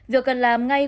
việc cần làm ngay